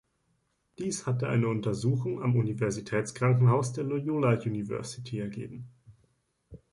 Dies hatte eine Untersuchung am Universitätskrankenhaus der Loyola University ergeben.